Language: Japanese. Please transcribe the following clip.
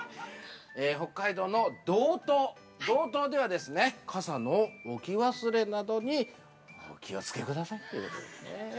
北海道の道東では、傘の置き忘れなどにお気をつけくださいということで。